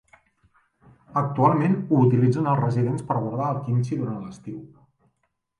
Actualment ho utilitzen els residents per guardar el Kimchi durant l'estiu.